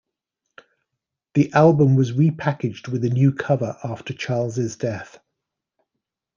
The album was repackaged with a new cover after Charles' death.